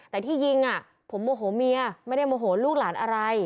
แต่ที่ยิงผมโมโหเมียไม่ได้โมโหลูกหลานอะไร